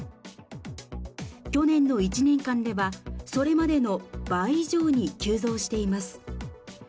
去年の１年間では、それまでの倍以上に急増しています。